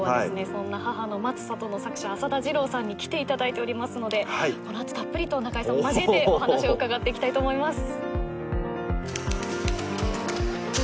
そんな『母の待つ里』の作者浅田次郎さんに来ていただいておりますのでこの後たっぷりと中井さんも交えてお話を伺っていきたいと思います。